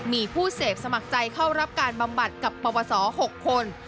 มีผู้เสพสมัครใจเข้ารับการบำบัดกับปวส๖คน